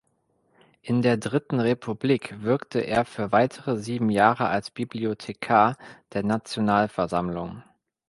In der Dritten Republik wirkte er für weitere sieben Jahre als Bibliothekar der Nationalversammlung.